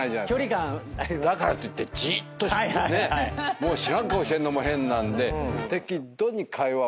もう知らん顔してんのも変なんで。